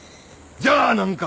じゃあ何か？